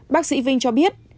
bác sĩ vinh cho biết